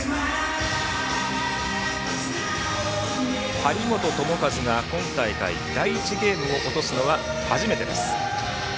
張本智和が今大会第１ゲームを落とすのは初めてです。